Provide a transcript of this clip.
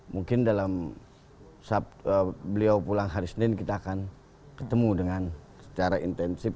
mungkin dalam beliau pulang hari senin kita akan ketemu dengan secara intensif